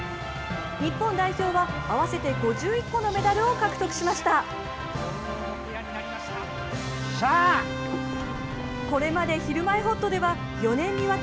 日本代表は、合わせて５１個のメダルを獲得しました。